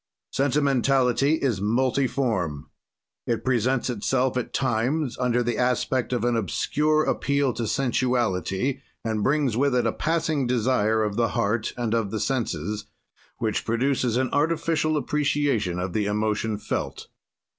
"Sentimentality is multiform. "It presents itself, at times, under the aspect of an obscure appeal to sensuality and brings with it a passing desire of the heart and of the senses, which produces an artificial appreciation of the emotion felt.